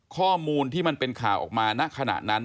ข้อมูลที่มันเป็นข่าวออกมาณขณะนั้น